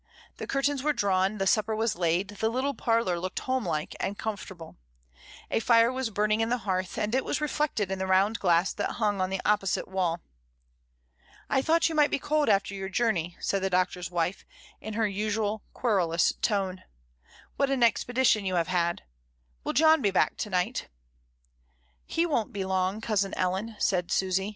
The curtains were drawn, the supper was laid, the little parlour looked home like and comfortable; a fire was burning in the hearth, and it was reflected in the round glass that hung on the opposite wall. "I thought you might be cold after your journey," said the Doctor's wife, in her usual querulous tone. "What an expedition you have had; will John be back to night?" "He won't be long, cousin Ellen," said Susy.